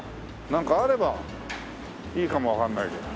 なんかあればいいかもわかんないけど。